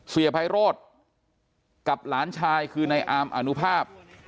ไพโรธกับหลานชายคือในอามอนุภาพ